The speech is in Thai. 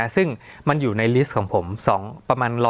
สวัสดีครับทุกผู้ชม